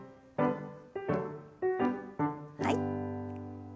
はい。